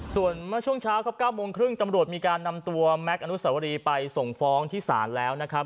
ส่วนเมื่อช่วงเช้าครับ๙โมงครึ่งตำรวจมีการนำตัวแม็กซอนุสวรีไปส่งฟ้องที่ศาลแล้วนะครับ